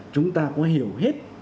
chúng ta có hiểu hết